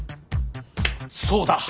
そうだ！